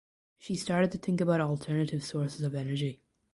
She started to think about alternative sources of energy.